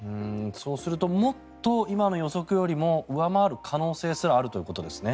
そうするともっと今の予測よりも上回る可能性すらあるということですね。